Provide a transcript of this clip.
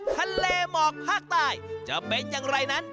ทะเลหมอกภาคใต้จะเป็นอย่างไรนั้น